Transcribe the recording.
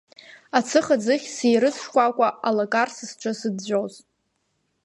Ацыха ӡыхь, сеирыӡ шкәакәа, алакар са сҿы зыӡәӡәоз…